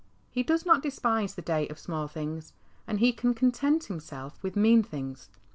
He does not despise the day of small things, and he can content himself with mean things.